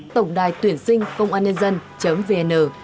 tổng đài tuyển sinh công an nhân dân vn